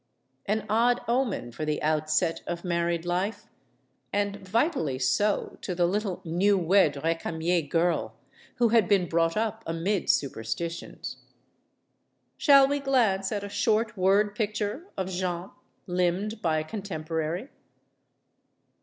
An odd omen for the outset of married life; and vitally so to the little new wed Recamier girl, who had been brought up amid superstitions. Shall we glance at a short word picture of Jeanne, limned by a contemporary?